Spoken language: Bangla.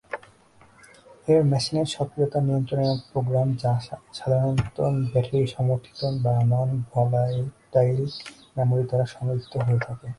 এর মেশিনের সক্রিয়তা নিয়ন্ত্রণের প্রোগ্রাম, সাধারণত ব্যাটারি সমর্থিত বা নন-ভলাটাইল মেমরি মধ্যে সংরক্ষিত হয়ে থাকে।